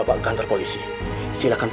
pak tata serventating friend